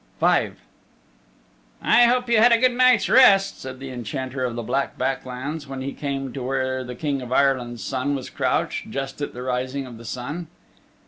V "I hope you had a good night's rest," said the Enchanter of the Black Back Lands, when he came to where the King of Ireland's Son was crouched, just at the rising of the sun.